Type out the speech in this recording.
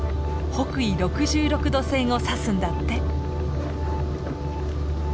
北緯６６度線を指すんだって。